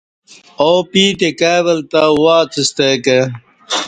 ا و پیتے کائی ول تں اواڅستہ کہ